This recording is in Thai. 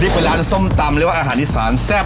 นี่เป็นร้านส้มตำหรือว่าอาหารอีสานแซ่บ